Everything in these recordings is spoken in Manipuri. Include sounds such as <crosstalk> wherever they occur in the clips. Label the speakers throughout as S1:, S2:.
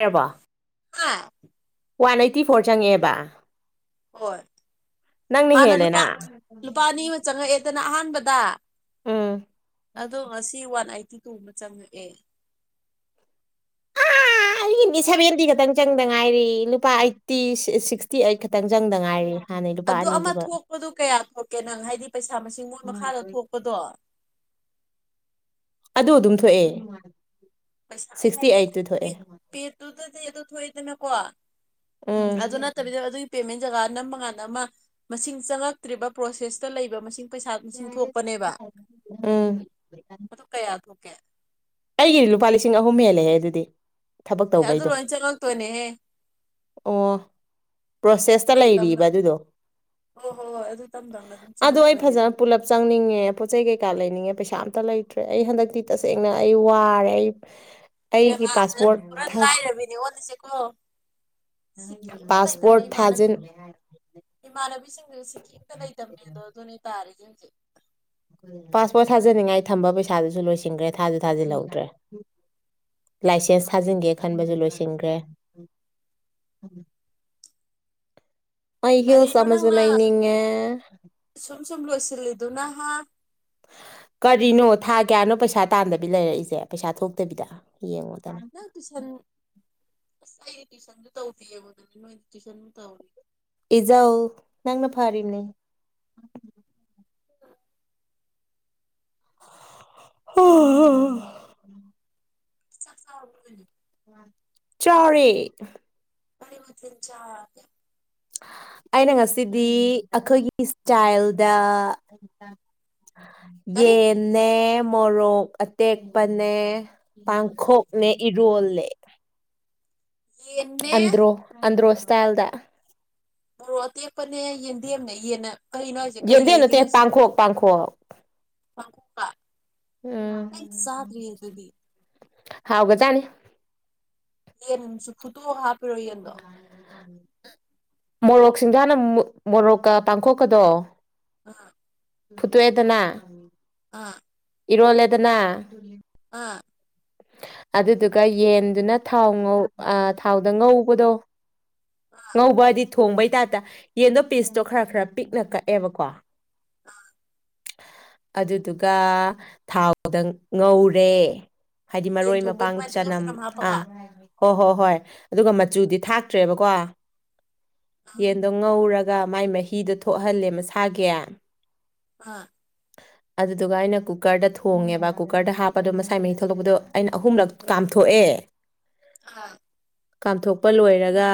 S1: ꯌꯥꯕ
S2: ꯍꯥꯥ
S1: ꯋꯥꯟ ꯑꯩꯠꯇꯤ ꯐꯣꯔ ꯆꯪꯉꯛꯑꯦꯕ
S2: ꯍꯣꯏ
S1: ꯅꯪꯅ
S2: ꯍꯥꯟꯅ
S1: ꯍꯦꯜꯂꯦꯅ
S2: ꯂꯨꯄꯥ ꯂꯨꯄꯥ ꯑꯅꯤ ꯑꯃ ꯆꯪꯉꯛꯑꯦꯗꯅ ꯑꯍꯥꯟꯕꯗ
S1: ꯎꯝ
S2: ꯑꯗꯣ ꯉꯁꯤ ꯋꯥꯟ ꯑꯥꯏꯠꯇꯤ ꯇꯨꯕ ꯆꯪꯉꯑꯦ
S1: ꯑꯩꯒꯤꯅꯤ ꯁꯚꯦꯟꯇꯤ ꯈꯛꯇꯪ ꯆꯪꯗ ꯉꯥꯏꯔꯤ ꯂꯨꯄꯥ ꯑꯩꯠꯇꯤ ꯁꯤꯛꯁꯇꯤ ꯑꯩꯠ ꯈꯛꯇꯪ ꯆꯪꯗ ꯉꯥꯏꯔꯤ ꯍꯥꯟꯅꯩ ꯂꯨꯄꯥ
S2: ꯑꯗꯨ ꯑꯃ
S1: ꯑꯅꯤꯗꯨꯒ
S2: ꯊꯣꯛꯄꯗꯣ ꯀꯌꯥ ꯊꯣꯛꯀꯦ ꯅꯪ ꯍꯥꯏꯗꯤ ꯄꯩꯁꯥ ꯃꯁꯤꯡ ꯃꯣꯏ ꯃꯈꯥꯗ ꯊꯣꯛꯄꯗꯣ
S1: ꯑꯗꯨ ꯑꯗꯨꯝ ꯊꯣꯛꯑꯦ
S2: ꯄꯩꯁꯥꯏ
S1: ꯁꯤꯛꯁꯇꯤ
S2: ꯍꯥꯏꯗꯤ
S1: ꯑꯩꯠꯇꯨ ꯊꯣꯛꯑꯦ
S2: ꯄꯦꯠꯇꯨꯗꯗꯤꯦ ꯑꯗꯨ ꯊꯣꯛꯑꯏꯗꯅꯀꯣ
S1: ꯎꯝ
S2: ꯑꯗꯨꯅ ꯇꯗ ꯑꯗꯨꯒꯤ ꯄꯦꯦꯟ ꯖꯒꯥ ꯅꯃꯉꯥꯟ ꯑꯃ ꯃꯁꯤꯡ ꯆꯪꯉꯛꯇ꯭ꯔꯤꯕ ꯄ꯭ꯔꯣꯁꯦꯁꯇ ꯂꯩꯕ ꯃꯁꯤꯡ ꯄꯩꯁꯥ ꯃꯁꯤꯡ ꯊꯣꯛꯄꯅꯦꯕ
S1: ꯎꯝ
S2: ꯑꯣꯀꯦ
S1: ꯑꯩꯒꯤꯗꯤ ꯂꯨꯄꯥ ꯂꯤꯁꯤꯡ ꯑꯍꯨꯝ ꯍꯦꯜꯂꯦꯦ ꯑꯗꯨꯗꯤ ꯊꯕꯛ
S2: ꯑꯦ ꯑꯗꯨ
S1: ꯇꯧꯕꯩꯗꯣ
S2: ꯂꯣꯏ ꯆꯪꯉꯛꯇꯣꯏꯅꯦꯍꯦ
S1: ꯑꯣ ꯄ꯭ꯔꯣꯁꯦꯁꯇ
S2: ꯇꯞ ꯇꯞꯅ
S1: ꯂꯩꯔꯤꯕ ꯑꯗꯨꯗꯣ
S2: ꯍꯣꯏ ꯍꯣꯏ ꯍꯣꯏ ꯑꯗꯨ ꯇꯞ ꯇꯞꯅ ꯑꯗꯨꯝ
S1: ꯑꯗꯣ ꯑꯩ
S2: ꯆꯪꯉꯛꯇꯣꯏꯅꯦ ꯑꯗꯨ
S1: ꯐꯖꯅ ꯄꯨꯂꯞ ꯆꯪꯅꯤꯡꯉꯦ ꯄꯣꯠꯆ ꯆꯩ ꯀꯩꯀꯥ ꯂꯩꯅꯤꯡꯉꯦ ꯄꯩꯁꯥ ꯑ ꯂꯩꯇ꯭ꯔꯦ ꯑꯩ ꯍꯟꯗꯛꯇꯤ ꯇꯁꯦꯡꯅ ꯑꯩ ꯋꯥꯔꯦ ꯑꯩ ꯑꯩꯒꯤ
S2: ꯕꯦꯝꯃꯥ ꯍꯟꯗꯛꯇꯤ
S1: ꯄꯥꯁꯄꯣꯔꯠ ꯊꯖ
S2: ꯁꯤꯀꯤꯝꯐꯥꯎ ꯂꯩꯇꯕꯅꯦ ꯏꯃꯥꯟꯅꯕꯤ
S1: ꯊꯥꯖꯤꯟ
S2: ꯏꯃꯥꯟꯅꯕꯤꯁꯤꯡ ꯁꯤ ꯏ ꯂꯩ ꯇꯝꯃꯦ ꯑ ꯑꯗꯨꯣ ꯑꯗꯨꯅꯤ ꯇꯔꯔꯤ ꯌꯦ
S1: ꯄꯥꯁꯄꯣꯔꯠ ꯊꯥꯖꯅꯤꯡꯉꯥꯏ ꯊꯝꯕ ꯄꯩꯁꯥꯗꯨꯁꯨ ꯂꯣꯏꯁꯤꯟꯈ꯭ꯔꯦ ꯊꯥꯖ ꯊꯥꯖꯤꯜꯍꯧꯗ꯭ꯔꯦ ꯂꯥꯏꯁꯦꯟꯁ ꯊꯥꯖꯤꯟꯒꯦ ꯈꯟꯕꯁꯨ ꯂꯣꯏꯁꯤꯟꯈ꯭ꯔꯦ ꯑ ꯍꯜꯁ
S2: ꯀꯔꯤꯅꯣ
S1: ꯁꯃꯖ
S2: ꯅꯪꯅ
S1: ꯂꯩꯅꯤꯡꯉ
S2: ꯑꯗꯨꯅ
S1: ꯀꯔꯤꯅꯣ ꯊꯥ ꯀꯌꯥꯅꯣ ꯄꯩꯁꯥ ꯇꯥꯟꯗꯕꯤ ꯂꯩꯔꯛꯏꯁꯦ ꯄꯩꯁꯥ ꯊꯣꯛꯇꯕꯤꯗ ꯌꯦꯡꯉꯣ
S2: ꯅ ꯇꯨ ꯇꯨꯋꯁꯟꯁꯨ ꯇꯧꯗꯑꯕ ꯑꯗꯨ ꯅꯣꯏꯗꯤ ꯇꯨꯋꯁꯟ ꯇꯧꯋꯅꯤ
S1: ꯏꯖꯎ ꯆꯪꯅ ꯐꯥꯔꯅꯦ
S2: ꯎꯝ
S1: ꯎꯝꯝ
S2: <inaudible>
S1: ꯆꯔꯦ
S2: ꯃꯔꯤꯊ ꯆꯥ ꯀ
S1: ꯑꯩꯅ ꯉꯁꯤꯗꯤ ꯑꯩꯈꯣꯏꯒꯤ ꯏꯁꯇꯥꯏꯜꯗ
S2: ꯀꯔꯤ
S1: ꯌꯦꯟꯅ ꯃꯣꯔꯣꯛ ꯑꯇꯦꯛꯄꯅꯦ ꯄꯥꯡꯈꯣꯛꯅꯦ ꯏꯔꯣꯜꯅꯦ
S2: ꯌꯦꯟꯅꯦ
S1: ꯑꯟꯗ꯭ꯔꯣ ꯑꯟꯗ꯭ꯔꯣ ꯇꯜꯗ
S2: ꯃꯔꯣ ꯑꯇꯦꯛꯄꯅꯦ ꯌꯦꯟꯗꯦꯝꯦꯝꯅꯦ ꯌꯦꯟꯟꯅ
S1: ꯌꯦꯣꯟꯗꯦ ꯅꯠꯇ ꯄꯥꯡꯈꯣꯛ ꯄꯥꯡꯈꯣꯛ
S2: ꯄꯥꯡꯈꯣꯛꯀ ꯑꯩ
S1: ꯎꯝ
S2: ꯆꯥꯗ꯭ꯔꯤꯌꯦ ꯑꯗꯨꯗꯤ
S1: ꯍꯥꯎꯒꯖꯥꯅꯤ
S2: ꯌꯦꯁꯨ
S1: ꯎ ꯃꯣꯔꯣꯛ ꯁꯤꯡꯖꯥꯅ ꯃꯣꯔꯣꯛꯀ ꯄꯥꯡꯊꯣꯛꯀꯗꯣ
S2: ꯑꯥ
S1: ꯄꯨꯊꯋꯦꯗꯅ
S2: ꯑꯥ
S1: ꯏꯔꯣꯜꯂꯦꯗꯅ
S2: ꯑ
S1: ꯑꯗꯨꯗꯨꯒ ꯌꯦꯟꯗꯨꯅ ꯊꯥꯎ ꯉꯧ ꯊꯥꯎꯗ ꯉꯧꯕꯗꯣ ꯉꯕꯗꯤ ꯊꯣꯡꯕꯩ ꯇꯥꯞꯇ ꯌꯦꯟꯗꯣ ꯄꯤꯁꯇꯣ ꯈꯔ ꯈꯔ ꯄꯤꯛꯅ ꯀꯛꯑꯦꯕꯀꯣ ꯑꯗꯨꯗꯨꯒ ꯊꯥꯎꯗ ꯉꯧꯔꯦ ꯍꯥꯏꯗꯤ
S2: ꯌꯦꯟ
S1: ꯃꯔꯣꯏ
S2: ꯊꯣꯡꯕꯩ
S1: ꯃꯄꯥꯡ
S2: ꯑꯗꯨꯃꯥꯏꯅ ꯇꯤꯜꯍꯧ
S1: ꯆꯅꯝ
S2: ꯍꯥꯞꯄꯒ
S1: ꯑꯥ ꯑꯣ ꯍꯣ ꯍꯣꯏ ꯑꯗꯨꯒ ꯃꯆꯨꯗꯤ ꯊꯥꯛꯇ꯭ꯔꯦꯕꯣ ꯀꯣ ꯌꯦꯟꯗꯣ ꯉꯧꯔꯒ ꯃꯥꯏ ꯃꯍꯤꯗꯣ ꯊꯣꯛꯍꯜꯂꯦ ꯃꯁꯥꯒꯤ
S2: ꯍꯥꯥ
S1: ꯑꯗꯨꯗꯨꯒ ꯑꯩꯅ ꯀꯨꯀꯔꯗ ꯊꯣꯡꯉꯦꯕ ꯀꯨꯀꯔꯗ ꯍꯥꯞꯄꯗꯣ ꯃꯁꯥꯏ ꯃꯍꯤ ꯊꯣꯛꯂꯛꯄꯗꯣ ꯑꯩꯅ ꯑꯍꯨꯝꯂꯛ ꯀꯥꯝꯊꯣꯛꯑꯦ
S2: ꯑꯥ
S1: ꯀꯥꯝꯊꯣꯛꯄ ꯂꯣꯏꯔꯒ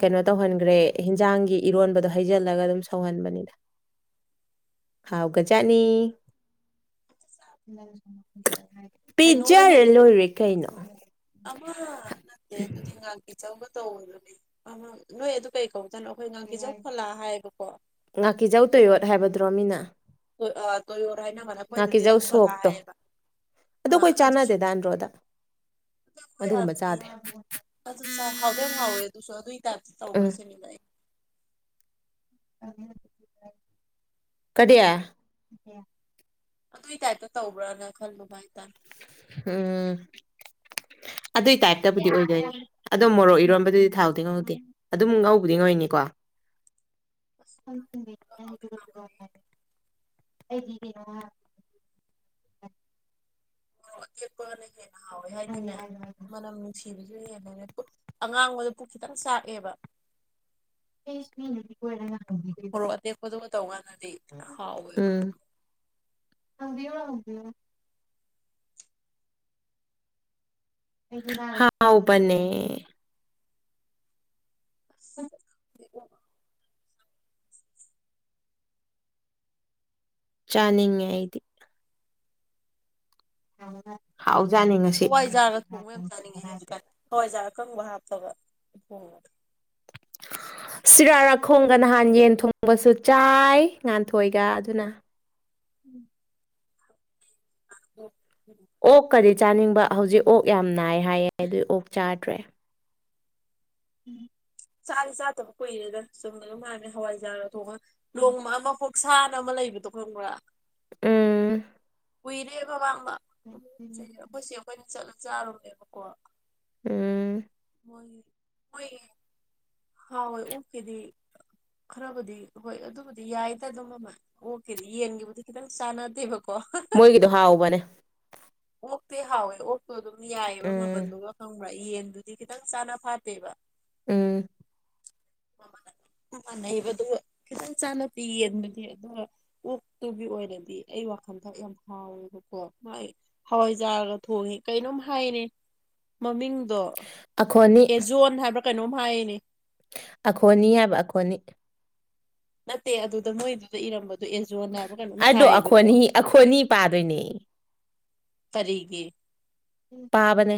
S1: ꯀꯩꯅꯣ ꯇꯧꯍꯟꯈ꯭ꯔꯦ ꯍꯟꯖꯥꯡꯒꯤ ꯏꯔꯣꯟꯕꯗꯣ ꯍꯩꯖꯤꯜꯂꯒ ꯑꯗꯨꯝ ꯁꯧꯍꯟꯕꯅꯤꯅ ꯍꯥꯎꯒꯖꯥꯠꯅꯤ <unintelligible> <unintelligible>
S2: ꯀꯩꯅꯣ ꯍꯣꯏꯅꯗꯤ
S1: ꯨꯔꯦ ꯀꯩꯅꯣ
S2: ꯑꯃ ꯅꯠꯇꯦ ꯑꯗꯨ ꯇꯤꯡꯦ ꯆꯧꯒ ꯇꯧꯕꯗꯨꯅꯤ ꯑꯃ ꯅꯣꯏ ꯑꯗꯨ ꯀꯩ ꯀꯧꯒꯦ
S1: ꯉꯥꯀꯤꯖꯧ ꯇꯌꯣꯠ ꯍꯥꯏꯕꯗꯨꯔꯣ ꯃꯤꯅ
S2: ꯇꯣꯏꯌꯣꯠ ꯍꯥꯏꯅꯕ ꯑꯃ ꯑꯩꯈꯣꯏꯗꯗꯤ
S1: ꯉꯥꯀꯤꯖꯧ
S2: ꯑꯗꯨꯝ ꯐꯣꯂꯥ
S1: ꯁꯣꯛꯇꯣ
S2: ꯍꯥꯏꯌꯦꯕ
S1: ꯑꯗꯣ
S2: ꯑ
S1: ꯑꯩꯈꯣꯏ
S2: ꯑꯗꯨꯁꯨ
S1: ꯆꯥꯟꯅꯗꯦꯗ ꯑꯟꯗ꯭ꯔꯣꯗ ꯑꯗꯨꯒꯨꯝꯕ ꯆꯥꯗꯦ
S2: ꯑꯗꯨꯆꯥꯏ ꯍꯥꯎꯗꯤ ꯌꯥꯝ ꯍꯥꯎꯋꯦ ꯑꯗꯨꯁꯨꯣ ꯑꯗꯨ ꯇꯥꯏꯞꯇ ꯇꯧꯕꯔ꯭
S1: ꯎꯝ ꯀꯔꯤ
S2: ꯑꯗꯨꯏ ꯇꯥꯏꯞꯇ ꯇꯧꯕ꯭ꯔꯅ ꯈꯜꯂꯨꯕ ꯍꯥꯏꯇꯥꯔꯦ
S1: ꯎꯝ ꯑꯗꯨꯏ ꯇꯥꯏꯞꯇꯕꯨꯗꯤ ꯑꯣꯏꯗꯣꯏꯅꯤ ꯑꯗꯣ ꯃꯣꯔꯣꯛ ꯏꯔꯣꯟꯝꯕꯗꯨꯗꯤ ꯊꯥꯎꯗꯤ ꯉꯧꯗꯦ ꯑꯗꯨꯝ ꯉꯧꯕꯗꯤ ꯉꯧꯔꯤꯅꯤꯀꯣ
S2: ꯑꯁ ꯍꯥꯎꯗꯤ
S1: ꯗꯨ
S2: ꯍꯥꯎꯕꯅꯦ
S1: ꯑꯩꯒꯤ ꯀꯩꯅꯣ
S2: ꯃꯣꯔꯣꯛ ꯑꯇꯦꯛꯄ ꯍꯥꯎꯋꯦ ꯍꯥꯏꯗꯅ ꯃꯅꯝ ꯑꯉꯥꯡꯕꯗ ꯄꯨꯛ ꯈꯤꯇꯪ ꯆꯥꯛꯑꯦꯕ
S1: ꯎꯝ
S2: ꯃꯣꯔꯣꯛ ꯑꯇꯦꯛꯄꯗꯨꯒ ꯇꯧꯀꯥꯟꯗꯗꯤ ꯍꯥꯎꯋꯦꯕ
S1: ꯍꯪꯕꯤꯌꯣ ꯍꯪꯕꯤꯌꯣ ꯍꯥꯎꯕꯅꯦ ꯎꯝ ꯆꯥꯅꯤꯡꯉꯦ ꯑꯩꯗꯤ <unintelligible> ꯉꯁꯤ
S2: ꯍꯋꯥꯏꯖꯥꯔꯒ ꯊꯣꯡꯕ ꯌꯥꯝ ꯆꯥꯅꯤꯡꯉꯦ ꯍꯧꯖꯤꯛꯀꯥꯜ ꯍꯋꯥꯏꯖꯥꯔ ꯑꯀꯪꯕ ꯍꯥꯞꯄꯒ ꯊꯣꯡꯕ
S1: ꯁꯤꯔꯥꯔꯥꯈꯣꯡꯒ ꯅꯍꯥꯟ ꯌꯦꯟ ꯊꯣꯡꯕꯁꯨ ꯆꯥꯏ ꯉꯥꯟꯊꯣꯏꯒ ꯑꯗꯨꯅ
S2: ꯎꯝ
S1: ꯑꯣ ꯀꯔꯤ ꯆꯥꯅꯤꯡꯕ ꯍꯧꯖꯤꯛ ꯑꯣꯛ ꯌꯥꯝ ꯅꯥꯏ ꯍꯥꯏꯌꯦ ꯑꯗꯨꯏ ꯑꯣꯛ ꯆꯥꯗ꯭ꯔꯦ ꯎꯝ
S2: ꯆꯥꯗꯤ ꯆꯥꯗꯕ ꯀꯨꯏꯔꯦꯗ ꯆꯨꯝꯅ ꯑꯗꯨꯝ ꯃꯥꯥꯟꯃꯦ ꯍꯋꯥꯏꯖꯥꯔ ꯊꯣꯡꯉꯒ ꯂꯣꯡ ꯃꯥꯃ ꯐꯠ ꯑꯁꯥꯟꯅ ꯑꯃ ꯂꯩꯕꯗꯣ ꯈꯪꯕ꯭ꯔꯥ
S1: ꯎꯝ
S2: ꯎꯨꯏꯔꯦꯕꯕꯥ ꯎ ꯑꯩꯈꯣꯏꯁꯤ ꯑꯩꯈꯣꯏꯅ ꯆꯠꯂ ꯆꯥꯔꯨꯔꯦꯕꯀꯣ
S1: ꯎꯝ
S2: ꯍꯣꯏꯌꯦ ꯍꯣꯏꯌꯦ ꯍꯥꯎꯋꯦ ꯑꯣꯛꯀꯤꯗꯤ ꯈꯔꯕꯨꯗꯤ ꯍꯣꯏ ꯑꯗꯨꯕꯨꯗꯤ ꯌꯥꯏꯗ ꯑꯗꯨꯝ ꯑꯃ ꯑꯣꯛꯀꯤꯗꯤ ꯌꯦꯟꯒꯤꯕꯨꯗꯤ ꯈꯤꯇꯪ ꯆꯥꯟꯅꯗꯦꯕ
S1: ꯃꯣꯏꯒꯤꯗꯣ ꯍꯥꯎꯕꯅꯦ
S2: ꯑꯣꯛꯇꯤꯇ ꯍꯥꯎꯋꯦ ꯍꯣꯏ ꯑꯗꯨꯝ ꯌꯥꯏꯌꯦꯕ
S1: ꯎꯝ
S2: ꯃꯃꯜꯗꯨꯒ ꯌꯦꯟꯗꯨꯗꯤ ꯈꯤꯇꯪ ꯆꯥꯅ ꯐꯥꯠꯇꯦꯕ
S1: ꯎꯝ
S2: ꯃꯥꯟꯅꯩꯕ ꯑꯗꯨꯒ ꯈꯤꯇꯪ ꯆꯥꯅꯗꯦ ꯌꯦꯟꯗꯨꯗꯤ ꯑꯗꯨꯒ ꯑꯣꯛꯇꯨꯒꯤ ꯑꯣꯏꯅꯗꯤ ꯑꯩ ꯋꯥꯈꯟꯗ ꯌꯥꯝ ꯍꯥꯎꯋꯦꯕꯀꯣ ꯍꯣꯏ ꯍꯋꯥꯏꯖꯥꯔꯒ ꯊꯣꯡꯉꯦ ꯀꯩꯅꯣꯝ ꯍꯥꯏꯅꯦ ꯃꯃꯤꯡ ꯑꯗꯣ
S1: ꯑꯈꯣꯅꯤ
S2: ꯑꯦꯖꯣꯟ ꯍꯥꯏꯕ꯭ꯔꯥ ꯀꯩꯅꯣꯝ ꯍꯥꯏꯌꯦꯅꯦ
S1: ꯑꯈꯣꯅꯤ ꯍꯥꯏꯕ ꯑꯈꯣꯅꯤ
S2: ꯅꯠꯇꯦ ꯑꯗꯨꯗ ꯃꯣꯏꯗꯨꯗ ꯏꯔꯝꯕꯗ
S1: ꯑꯗꯣ ꯑꯈꯣꯅꯤ ꯑꯈꯣꯅꯤ ꯄꯥꯗꯣꯏꯅꯦ
S2: ꯀꯔꯤꯒꯤ
S1: ꯄꯥꯕꯅꯦ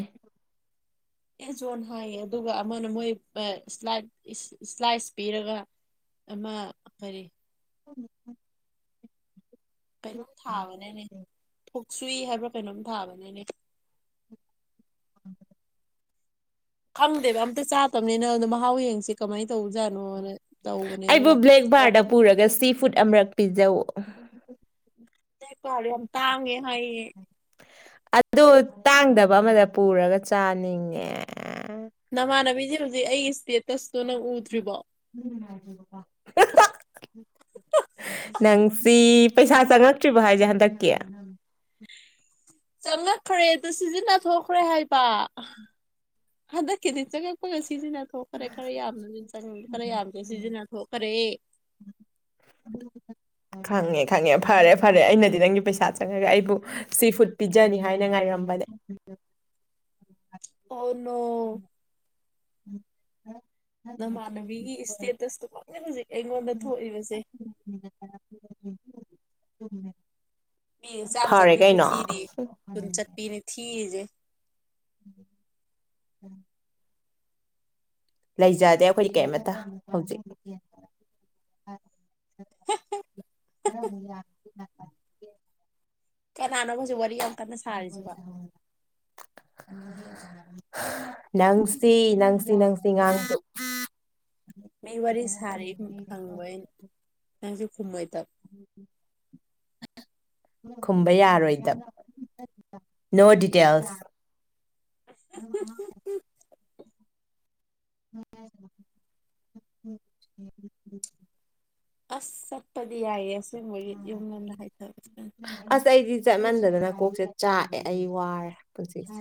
S2: ꯑꯦꯖꯣꯟ ꯍꯥꯏꯌꯦ ꯑꯗꯨꯒ ꯑꯃꯅ ꯃꯣꯏ ꯏꯁꯥꯏ ꯏꯁ꯭ꯂꯥꯏꯁ ꯄꯤꯔꯒ ꯑꯃ ꯀꯔꯤ
S1: <unintelligible>
S2: ꯀꯩꯅꯣꯝ ꯊꯥꯕꯅꯤꯅꯦ ꯊꯣꯛ ꯁꯨꯏ ꯍꯥꯏꯕ꯭ꯔꯥ ꯀꯩꯅꯣꯝ ꯊꯥꯕꯅꯦꯅꯦ ꯈꯪꯗꯦꯗ ꯑꯝꯇ ꯆꯥꯗꯕꯅꯤꯅ ꯑꯗꯣ ꯃꯍꯥꯎ ꯌꯦꯡꯁꯤ ꯀꯃꯥꯏꯅ ꯇꯧꯖꯥꯅꯣꯅ
S1: ꯑꯩꯕꯨ ꯕ꯭ꯂꯦꯛ ꯕꯥꯔꯗ ꯄꯨꯔꯒ ꯁꯤ ꯐꯨ꯭ꯗ ꯑꯃꯔꯛ ꯄꯤꯖꯧ <unintelligible>
S2: ꯕ꯭ꯂꯦꯛ ꯕꯥꯔ ꯌꯥꯝ ꯇꯥꯡꯉꯦ ꯍꯥꯏꯌꯦ
S1: ꯑꯗꯨ ꯇꯥꯡꯗꯕ ꯑꯃꯗ ꯄꯨꯔꯒ ꯆꯥꯅꯤꯡꯉꯦ
S2: ꯅꯃꯥꯅꯕꯤ <unintelligible> ꯑꯩ ꯏꯁꯇꯦꯇ꯭ꯁ ꯑꯗꯣ ꯅꯪ ꯎꯗ꯭ꯔꯤꯕꯣ
S1: ꯅꯪꯁꯤ ꯄꯩꯁꯥ ꯆꯪꯉꯛꯇ꯭ꯔꯤꯕꯣ ꯍꯥꯏꯁꯦ ꯍꯟꯗꯛꯀꯤ
S2: ꯆꯪꯪꯂꯛꯈ꯭ꯔꯦꯗ ꯁꯤꯖꯤꯟꯅꯊꯣꯛꯈ꯭ꯔꯦ ꯍꯥꯏꯕ ꯍꯟꯗꯛꯀꯤꯗꯤ ꯆꯪꯉꯛꯄꯒ ꯁꯤꯖꯤꯟꯅ ꯊꯣꯛꯈ꯭ꯔꯦ ꯈꯔ ꯌꯥꯝꯅ ꯈꯔ ꯌꯥꯝꯅ ꯁꯤꯖꯤꯟꯅꯊꯈ꯭ꯔꯦ
S1: ꯈꯪꯉꯦ ꯈꯪꯉꯦ ꯐꯔꯦ ꯐꯔꯦ ꯑꯩꯅꯗꯤ ꯅꯪꯒꯤ ꯄꯩꯁꯥ ꯆꯪꯉꯒ ꯑꯩꯕꯨ ꯁꯤ ꯐꯨꯗ ꯄꯤꯖꯅꯤ ꯍꯥꯏꯅ ꯉꯥꯏꯔꯝꯕꯅꯦ
S2: ꯑꯣ ꯅꯣ
S1: ꯎ
S2: ꯅꯃꯥꯟꯅꯕꯤꯒꯤ ꯏꯁꯇꯦꯇ꯭ꯁꯇꯨ ꯈ ꯍꯧꯖꯤꯛ ꯑꯩꯉꯣꯟꯗ ꯊꯣꯛꯏꯕꯁꯦ
S1: <inaudible>
S2: ꯃꯤ ꯆꯥꯝ
S1: ꯐꯔꯦ
S2: ꯆꯞꯄꯤꯕꯨ
S1: ꯀꯩꯅꯣ
S2: ꯊꯤꯔꯤ ꯀꯨꯟ ꯆꯞꯄꯤꯅꯤ ꯊꯤꯔꯤꯁꯦ
S1: <inaudible> ꯂꯩꯖꯥꯗꯦ ꯑꯩꯈꯣꯏꯗꯤ ꯀꯔꯤꯃꯇ ꯍꯧꯖꯤꯛ <unintelligible> <inaudible>
S2: ꯀꯅꯥꯅꯣꯕ ꯍꯧꯖꯤꯛ ꯋꯥꯔꯤ ꯌꯥꯝ ꯀꯟꯅ ꯁꯥꯔꯤꯁꯤ ꯕꯣ
S1: ꯍ ꯅꯪꯁꯤ ꯅꯪꯁꯤ ꯅꯪꯁꯤ ꯉꯥꯡꯇ
S2: ꯃꯤ ꯋꯥꯔꯤ ꯁꯥꯔꯤ ꯍꯪꯕꯩꯅꯤ ꯅꯪꯁꯨ ꯈꯨꯝꯃꯣꯏ
S1: <inaudible> ꯈꯨꯝꯕ ꯌꯥꯔꯣꯏꯗꯕ ꯅꯣ ꯗꯤꯇꯦꯜꯁ <unintelligible> <unintelligible>
S2: ꯑꯁ ꯆꯠꯄꯗꯤ ꯌꯥꯏꯌꯦ ꯑꯁꯦꯡꯕꯒꯤ ꯌꯨꯝ ꯂꯣꯝꯗ ꯍꯥꯏꯊꯕ
S1: ꯑꯁ ꯑꯩꯗꯤ ꯆꯠꯃꯟꯗꯗꯅ ꯀꯣꯛꯁꯦ ꯆꯥꯛꯑꯦ ꯑꯩ ꯋꯥꯔꯦ ꯄꯨꯟꯁꯤꯁꯦ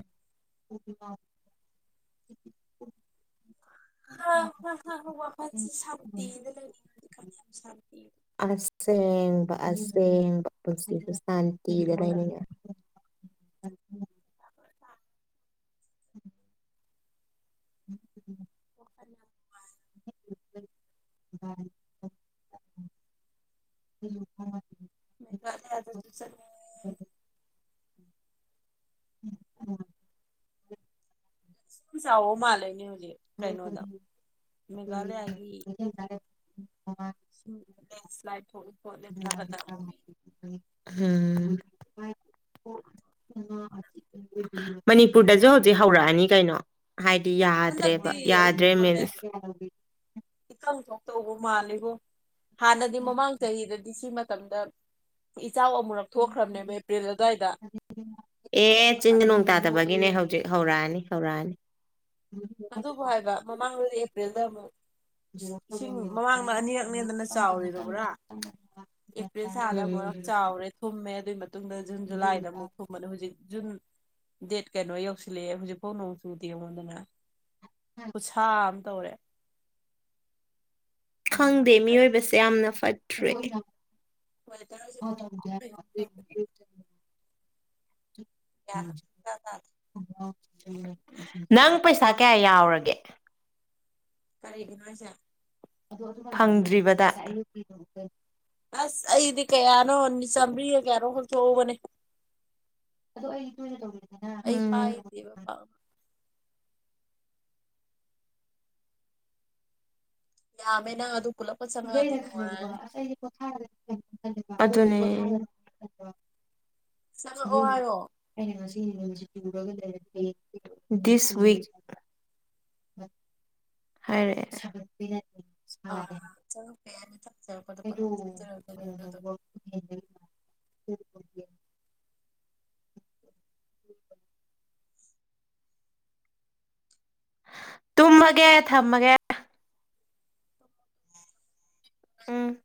S2: <inaudible>
S1: <unintelligible>
S2: ꯍ ꯍ ꯍ ꯍ ꯋꯥꯈꯜꯁꯤ ꯁꯥꯟꯇꯤꯗ ꯂꯩꯅꯤꯡꯉꯤ ꯁꯥꯟꯇꯤꯗ
S1: ꯁꯦꯡꯕ ꯄꯨꯟꯁꯤꯁꯦ ꯁꯥꯟꯇꯤꯗ ꯂꯩꯅꯤꯡꯉꯦ <inaudible> <inaudible>
S2: <inaudible>
S1: <unintelligible>
S2: <unintelligible> ꯆꯠꯅꯤꯡꯉꯤ
S1: <inaudible>
S2: ꯑꯝ ꯆꯥꯎꯋꯣꯃꯥ ꯂꯩꯅꯤꯡ
S1: <unintelligible>
S2: ꯃꯦꯘꯥꯂꯌꯥꯒꯤ
S1: <inaudible> <inaudible>
S2: ꯂꯦꯟꯁ ꯂꯥꯏꯗ
S1: ꯍꯝ ꯃꯅꯤꯄꯨꯔꯗꯁꯨ ꯍꯧꯖꯤꯛ ꯍꯧꯔꯛꯑꯅꯤ ꯀꯩꯅꯣ ꯍꯥꯏꯗꯤ ꯌꯥꯗ꯭ꯔꯦꯕ
S2: ꯍꯟꯗꯛꯇꯤ
S1: ꯌꯥꯗ꯭ꯔꯦ
S2: ꯑꯩꯗꯤꯕꯣ ꯂꯩ
S1: ꯃꯤꯟꯁ
S2: ꯇꯧꯕꯨ ꯃꯥꯜꯂꯤꯕꯣ ꯍꯥꯟꯅꯗꯤ ꯃꯃꯥꯡ ꯆꯍꯤꯗꯗꯤ ꯁꯤ ꯇꯝꯗ <unintelligible> ꯏꯆꯥꯎ ꯑꯃꯨꯔꯛ ꯊꯣꯛꯈ꯭ꯔꯝꯅꯦꯃꯦ ꯑꯦꯄ꯭ꯔꯤꯜ ꯑꯗꯨꯋꯥꯏꯗ
S1: ꯒꯤꯅꯦ ꯍꯧꯖꯤꯛ ꯍꯧꯔꯛꯑꯅꯤ ꯍꯧꯔꯛꯑꯅꯤ꯫
S2: ꯑꯗꯨꯕꯨ ꯍꯥꯏꯕ ꯃꯃꯥꯡ <unintelligible> ꯑꯦꯄ꯭ꯔꯤꯜꯗ ꯑꯃꯨꯛ ꯏꯁꯤꯡ ꯃꯃꯥꯡꯗ ꯑꯅꯤꯔꯛꯅꯦꯗꯅ ꯆꯥꯎꯔꯤꯗꯣꯕ꯭ꯔꯥ ꯑꯦꯄ꯭ꯔꯤꯜ ꯊꯥꯗ
S1: ꯎꯝ
S2: ꯑꯃꯨꯔꯛ ꯆꯥꯎꯔꯦ ꯊꯨꯝꯃꯦ ꯑꯗꯨꯏ ꯃꯇꯨꯡ ꯃꯇꯨꯡꯗ ꯖꯨꯟ ꯖꯨꯂꯥꯏꯗ ꯑꯃꯨꯛ ꯊꯨꯝꯕꯅꯤ ꯍꯧꯖꯤꯛ ꯖꯨꯟ ꯗꯦꯠ ꯀꯩꯅꯣ ꯌꯧꯁꯤꯜꯂꯛꯑꯦ ꯍꯧꯖꯤꯛꯐꯥꯎ ꯅꯣꯡ ꯆꯨꯗꯦ ꯌꯦꯉꯣꯟꯗꯅ꯫ ꯈꯨꯁꯥ ꯇꯧꯔꯦ꯫
S1: ꯈꯪꯗꯦ ꯃꯤꯑꯣꯏꯕꯁꯦ ꯌꯥꯝꯅ ꯐꯠ ꯇ꯭ꯔꯦ꯫
S2: ꯋꯦꯗꯔꯁꯦ
S1: <unintelligible> <unintelligible> ꯅꯪ ꯄꯩꯁꯥ ꯀꯌꯥ ꯌꯥꯎꯔꯒꯦ꯫
S2: ꯀꯥꯔꯤꯒꯤꯅꯣ ꯍꯥꯏꯖꯦ꯫
S1: ꯐꯪꯗ꯭ꯔꯤꯕꯗ꯫
S2: ꯑꯁ ꯑꯩꯗꯤ ꯀꯌꯥꯅꯣ ꯆꯥꯝꯃ꯭ꯔꯤꯒ ꯀꯌꯥꯅꯣ ꯈꯛ ꯊꯣꯛꯍꯧꯕꯅꯦ꯫
S1: ꯑꯗꯣ ꯑꯩ ꯇꯧꯏꯅ <unintelligible>
S2: ꯑꯩ ꯄꯥꯏꯗꯦꯕ ꯄꯥꯛ꯫ ꯌꯥꯥꯝꯃꯦ ꯅꯪ ꯑꯗꯨ ꯄꯨꯂꯞꯀ
S1: ꯑꯗꯩ
S2: ꯆꯪꯉꯛꯑꯗꯤ
S1: ꯑꯩꯅ
S2: ꯅꯨꯡꯉꯥꯏꯔꯅꯤ
S1: ꯈꯜꯂꯦꯕꯥꯀꯣ ꯑꯁ ꯑꯩꯖꯤ ꯄꯣꯊꯥꯔꯒꯦ <unintelligible> ꯑꯗꯨꯅꯦ꯫
S2: ꯆꯪꯉꯛꯑꯣ
S1: <unintelligible>
S2: ꯍꯥꯏꯌꯣ
S1: ꯑꯩꯅ ꯉꯁ <unintelligible> ꯗꯤꯁ ꯋꯤꯛ ꯍꯥꯏꯔꯛꯑꯦ꯫
S2: ꯑ ꯆꯪꯉꯛꯄ ꯌꯥꯅꯤꯗ
S1: <unintelligible> <inaudible> <unintelligible> ꯇꯨꯝꯃꯒꯦ ꯊꯝꯃꯒꯦ꯫ ꯎꯝ꯫